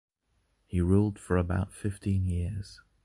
He ruled for about fifteen years.